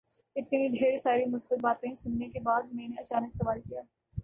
اتنی ڈھیر ساری مثبت باتیں سننے کے بعد میں نے اچانک سوال کیا